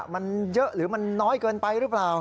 มันเยอะหรือมันน้อยเกินไปหรือเปล่า